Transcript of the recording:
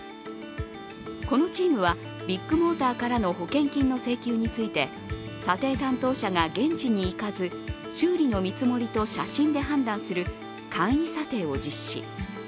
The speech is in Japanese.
このチームはビッグモーターからの保険金の請求について査定担当者が現地に行かず修理の見積もりと写真で判断する簡易査定を実施。